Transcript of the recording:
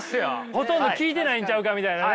ほとんど聞いてないんちゃうかみたいなね。